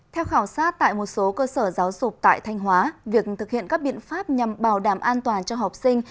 theo khảo sát tại một số cơ sở giáo dục tại thanh hóa việc thực hiện các biện pháp nhằm bảo đảm an toàn cho học sinh